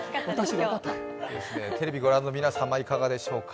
テレビをご覧の皆さんはいかがでしょうか。